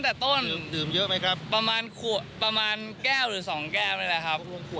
ไปกินที่ไหนมา